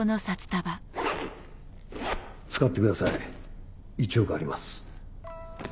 使ってください１億あります。